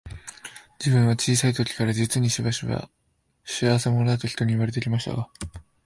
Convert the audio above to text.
自分は小さい時から、実にしばしば、仕合せ者だと人に言われて来ましたが、